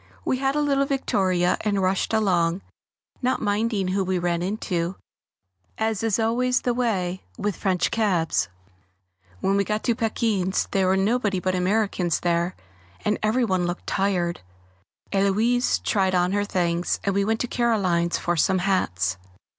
We had a little victoria and rushed along, not minding who we ran into, as is always the way with French cabs. When we got to Paquin's there were nobody but Americans there, and every one looked tired. Héloise tried on her things, and we went to Caroline's for some hats.